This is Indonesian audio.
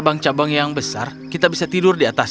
cabang cabang yang besar kita bisa tidur di atas